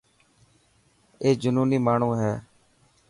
اي جنوني ماڻهو هي.